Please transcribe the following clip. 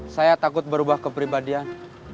saya takut berubah kepribadian